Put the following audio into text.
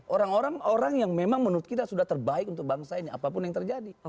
orang orang yang memang menurut kita sudah terbaik untuk bangsa ini apapun yang terjadi